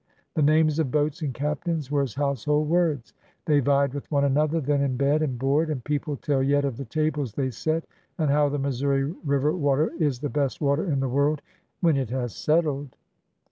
The names of boats and captains were as household words. They vied with one another then in bed and board, and people tell yet of the tables they set, and how the Missouri River water is the best water in the world — when it has settled!